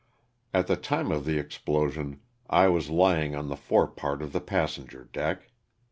At the time of the explosion I was lying on the fore part of the passenger deck.